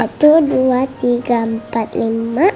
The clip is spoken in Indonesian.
satu dua tiga empat lima